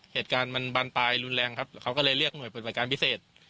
เหตุการณ์มันบานปลายรุนแรงครับเขาก็เลยเรียกหน่วยปฏิบัติการพิเศษ